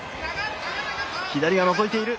左がのぞいている。